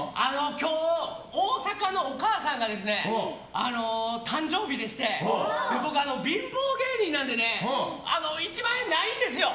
今日、大阪のお母さんが誕生日でして僕、貧乏芸人なので１万円、ないんですよ。